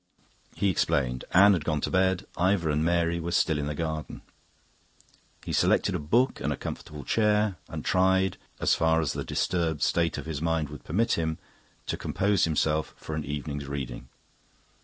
He explained. Anne had gone to bed, Ivor and Mary were still in the garden. He selected a book and a comfortable chair, and tried, as far as the disturbed state of his mind would permit him, to compose himself for an evening's reading.